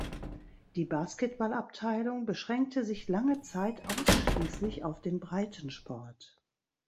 Die Basketballabteilung beschränkte sich lange Zeit ausschließlich auf den Breitensport.